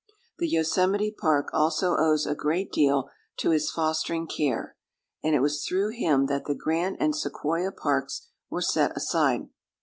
The Yosemite Park also owes a great deal to his fostering care, and it was through him that the Grant and Sequoia Parks were set aside.